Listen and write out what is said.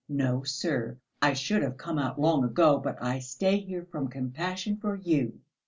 No, sir, I should have come out long ago, but I stay here from compassion for you.